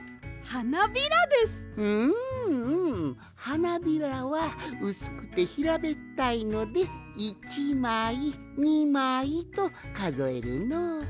はなびらはうすくてひらべったいので「１まい２まい」とかぞえるのう。